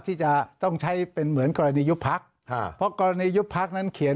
ที่จะต้องใช้เป็นเหมือนกรณียุบพักเพราะกรณียุบพักนั้นเขียน